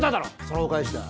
そのお返しだ。